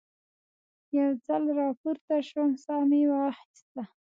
یو ځل را پورته شوم، ساه مې واخیسته.